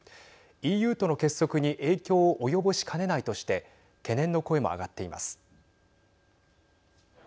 ＥＵとの結束に影響を及ぼしかねないとして懸念の声も上がっています。